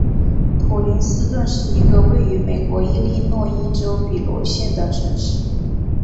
普林斯顿是一个位于美国伊利诺伊州比罗县的城市。